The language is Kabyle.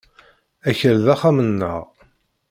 Akal d axxam-nneɣ.